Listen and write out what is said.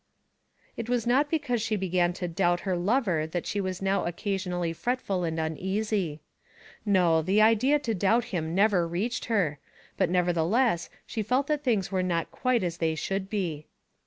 It was not because she began to doubt her lover that she was now occasionally fretful and uneasy. No; the idea to doubt him never reached her, but nevertheless she felt that things were not quite as they should be.